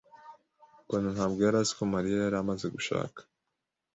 Bona ntabwo yari azi ko Mariya yari amaze gushaka.